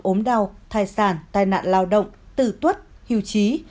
ốm đau thai sản tai nạn lao động tử tuất hiu trí